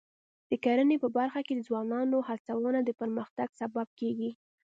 د کرنې په برخه کې د ځوانانو هڅونه د پرمختګ سبب کېږي.